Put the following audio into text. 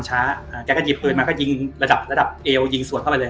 มันช้าเกาก็หยิบปืนมายิงระดับเอว